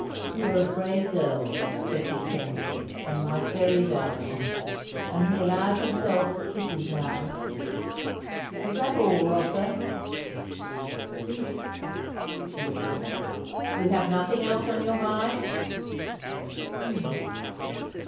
"You are a brave girl," said he tenderly, "and my very darling." And he allowed himself the kisses now. "Was that all, Rotha?" "Yes," she whispered. "You have nothing else on your mind?" "No."